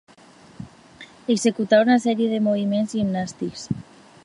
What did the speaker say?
Executar una sèrie de moviments gimnàstics.